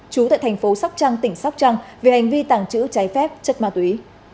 chú tại thành phố sóc trăng tỉnh sóc trăng về hành vi tàng trữ trái phép chất ma túy